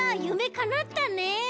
ゆめかなったね！